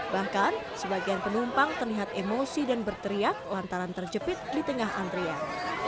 bahkan sebagian penumpang terlihat emosi dan berteriak lantaran terjepit di tengah antrian